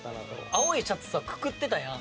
青いシャツさくくってたやん。